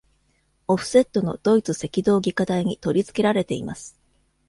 オフセットのドイツ赤道儀架台に取り付けられています。